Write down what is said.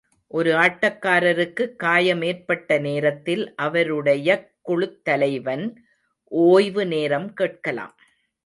ஒரு ஆட்டக்காரருக்குக் காயம் ஏற்பட்ட நேரத்தில், அவருடையக் குழுத்தலைவன் ஓய்வு நேரம் கேட்கலாம்.